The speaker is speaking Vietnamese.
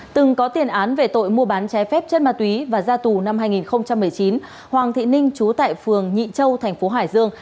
từng có tiền án về tội mua bán trái phép chất ma túy và ra tù năm hai nghìn một mươi chín hoàng thị ninh trú tại phường nhị châu thành phố hải dương